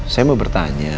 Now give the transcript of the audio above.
saya mau bertanya